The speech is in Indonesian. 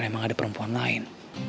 emang ada perempuan lain